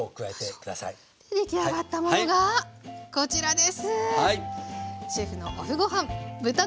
出来上がったものがこちらです。